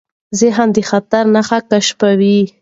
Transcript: ذهن د خطر نښې کشفوي.